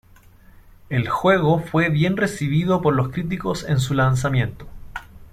El juego fue bien recibido por los críticos en su lanzamiento.